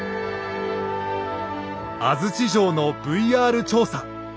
安土城のＶＲ調査。